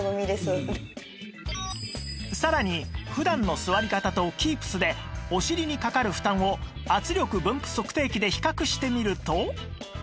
さらに普段の座り方と Ｋｅｅｐｓ でお尻にかかる負担を圧力分布測定器で比較してみると